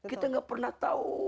kita nggak pernah tahu